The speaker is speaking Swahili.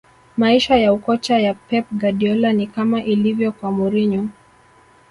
maisha ya ukocha ya pep guardiola ni kama ilivyo kwa mourinho